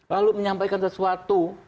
lalu menyampaikan sesuatu